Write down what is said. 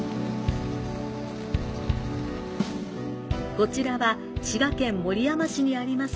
こちらは滋賀県守山市にあります